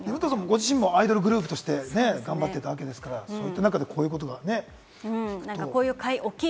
ご自身もアイドルグループとして頑張っていたわけですから、そういった中でね。